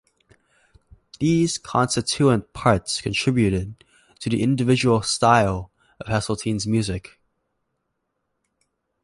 These constituent parts contributed to the individual style of Heseltine's music.